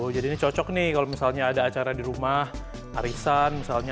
jadi cocok nih kalau misalnya ada acara di rumah arisan misalnya